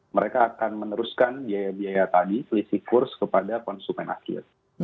mereka akan meneruskan biaya biaya tadi selisih kurs kepada konsumen akhir